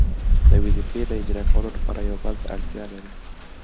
د وظیفې د اجرا کولو لپاره یو بل ته اړتیا لري.